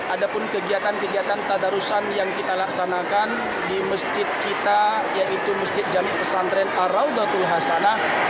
ada pun kegiatan kegiatan tadarusan yang kita laksanakan di masjid kita yaitu masjid jami pesantren ar raudatul hasanah